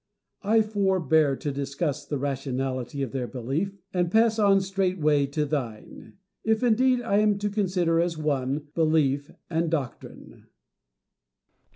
I forbear to discuss the rationality of their belief, and pass on straight way to thine ; if, indeed, I am to consider as one, belief and doctrine.